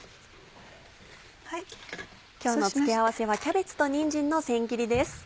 今日の付け合わせはキャベツとにんじんの千切りです。